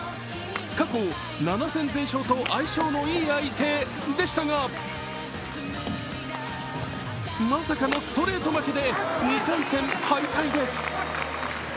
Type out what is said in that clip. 過去７戦全勝と相性のいい相手でしたがまさかのストレート負けで２回戦敗退です。